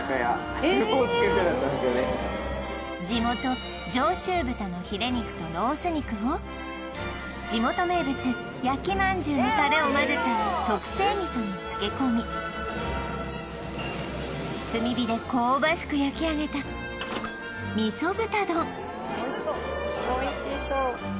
地元上州豚のヒレ肉とロース肉を地元名物焼きまんじゅうのタレをまぜた特製味噌に漬け込み炭火で香ばしく焼きあげたみそ豚丼